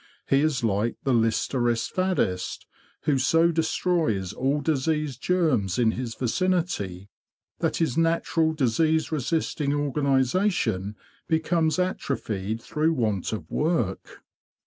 He is like the Listerist faddist, who so destroys all disease germs in his vicinity that his natural disease resisting organisation becomes atrophied through want of work.